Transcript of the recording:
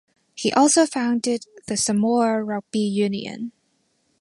He also founded the Samoa Rugby Union.